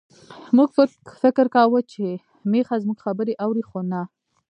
موږ فکر کاوه چې میښه زموږ خبرې اوري، خو نه.